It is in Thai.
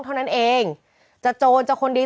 เท่านั้นเองจะโจรจะคนดี